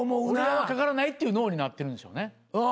俺らはかからないっていう脳になってるんでしょうね。